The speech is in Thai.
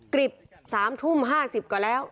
กรีบ๓ทุ่ม๕๐ก่อนแล้ว